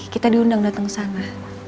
kita diundang datang ke sana